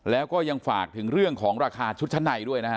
แล้วก็ยังฝากถึงเรื่องของราคาชุดชั้นในด้วยนะฮะ